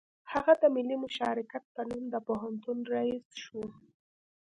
هغه د ملي مشارکت په نوم د پوهنتون رییس شو